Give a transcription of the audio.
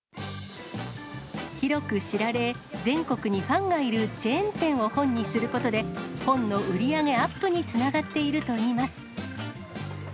広く知られ、全国にファンがいるチェーン店を本にすることで、本の売り上げアップにつながっているといいます。